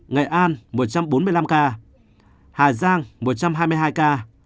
ngày an một trăm bốn mươi năm ca hà giang một trăm hai mươi tám ca